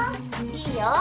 ・いいよ。